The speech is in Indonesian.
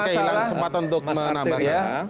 kehilang sempat untuk menambah